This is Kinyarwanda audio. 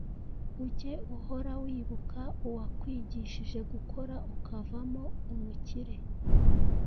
Ujye uhora wibuka uwakwigihije gukora ukavamo umukire